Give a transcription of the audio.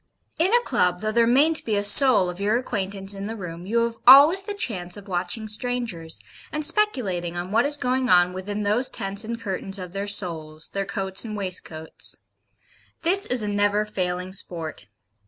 In a Club, though there mayn't be a soul of your acquaintance in the room, you have always the chance of watching strangers, and speculating on what is going on within those tents and curtains of their souls, their coats and waistcoats. This is a never failing sport.